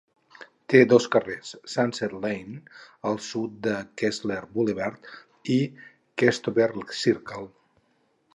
Té dos carrers: Sunset Lane, al sud de Kessler Boulevard, i Questover Circle.